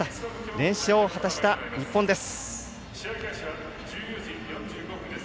連勝を果たした日本です。